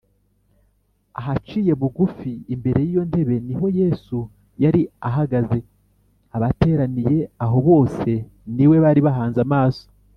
ahaciye bugufi imbere y’iyo ntebe niho yesu yari ahagaze abateraniye aho bose ni we bari bahanze amaso